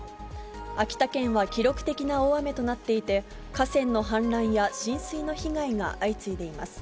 秋田県は記録的な大雨となっていて、河川の氾濫や、浸水の被害が相次いでいます。